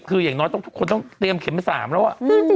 คืออย่างน้อยทุกคนต้องเตรียมเข็ม๓แล้ว